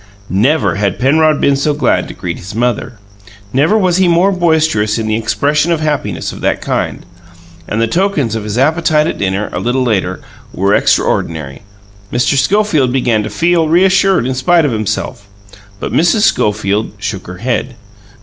Never had Penrod been so glad to greet his mother. Never was he more boisterous in the expression of happiness of that kind. And the tokens of his appetite at dinner, a little later, were extraordinary. Mr. Schofield began to feel reassured in spite of himself; but Mrs. Schofield shook her head.